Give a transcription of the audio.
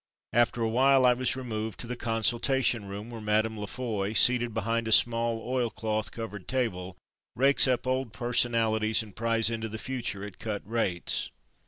After a while I was removed to the consultation room, where Mme. La Foy, seated behind a small oil cloth covered table, rakes up old personalities and pries into the future at cut rates.